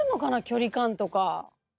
距離感とか。